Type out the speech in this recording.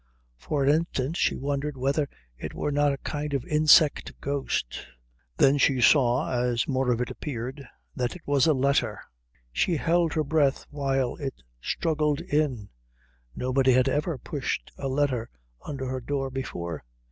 For an instant she wondered whether it were not a kind of insect ghost; then she saw, as more of it appeared, that it was a letter. She held her breath while it struggled in. Nobody had ever pushed a letter under her door before.